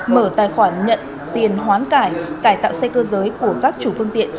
mở tài khoản nhận tiền hoán cải tạo xe cơ giới của các chủ phương tiện